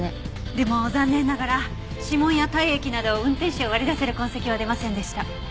でも残念ながら指紋や体液など運転手を割り出せる痕跡は出ませんでした。